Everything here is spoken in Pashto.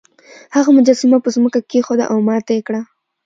هغه مجسمه په ځمکه کیښوده او ماته یې کړه.